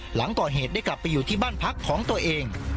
หลังก่อเหตุได้กลับไปอยู่ที่บ้านพักของตัวเอง